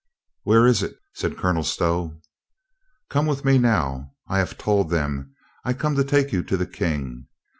"Where is it?" said Colonel Stow. "Come with me now. I have told them I come to take you to the King.